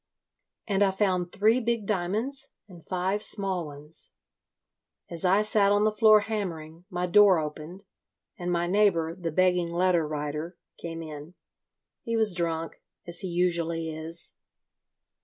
And I found three big diamonds and five small ones. As I sat on the floor hammering, my door opened, and my neighbour, the begging letter writer came in. He was drunk—as he usually is.